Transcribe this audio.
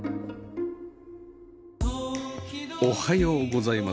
おはようございます。